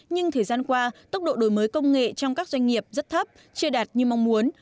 nhưng thời gian qua tốc độ đổi mới công nghệ trong các doanh nghiệp rất thấp chưa đạt như mong muốn